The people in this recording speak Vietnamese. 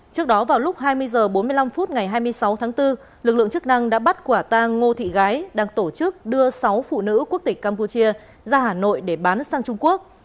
trước đó vào lúc hai mươi h bốn mươi năm phút ngày hai mươi sáu tháng bốn lực lượng chức năng đã bắt quả tang ngô thị gái đang tổ chức đưa sáu phụ nữ quốc tịch campuchia ra hà nội để bán sang trung quốc